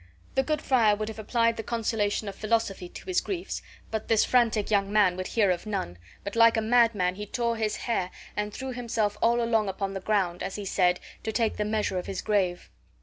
The good friar would have applied the consolation of philosophy to his griefs; but this frantic young man would hear of none, but like a madman he tore his hair and threw himself all along upon the ground, as he said, to take the measure of his grave.